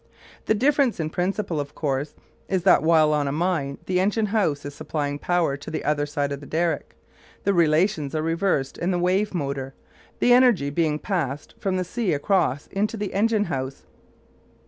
The difference in principle, of course, is that while on a mine the engine house is supplying power to the other side of the derrick, the relations are reversed in the wave motor, the energy being passed from the sea across into the engine house.